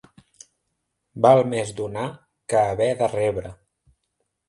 Val més donar que haver de rebre.